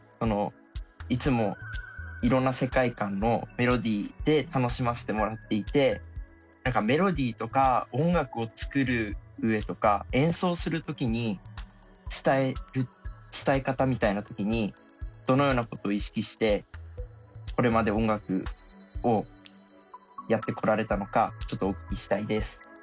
いつもいろんな世界観のメロディーで楽しませてもらっていて何かメロディーとか音楽を作る上とか演奏する時に伝え方みたいな時にどのようなことを意識してこれまで音楽をやってこられたのかちょっとお聞きしたいです。